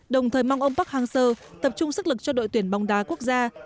đồng thời mong ông park hang seo tập trung sức lực cho đội tuyển bóng đá quốc gia